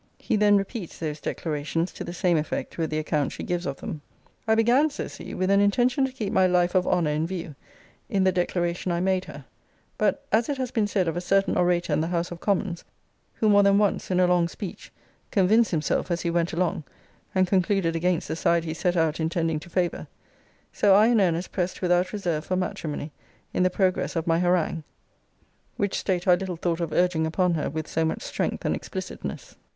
[He then repeats those declarations, to the same effect with the account she gives of them.] I began, says he, with an intention to keep my life of honour in view, in the declaration I made her; but, as it has been said of a certain orator in the House of Commons, who more than once, in a long speech, convinced himself as he went along, and concluded against the side he set out intending to favour, so I in earnest pressed without reserve for matrimony in the progress of my harangue, which state I little thought of urging upon her with so much strength and explicitness.